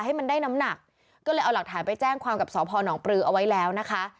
ให้มันได้น้ำหนักก็เลยเอาหลักฐานไปแจ้งความกับสพนปลือเอาไว้แล้วนะคะ